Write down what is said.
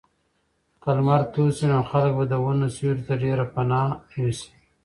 که لمر تود شي نو خلک به د ونو سیوري ته ډېر پناه یوسي.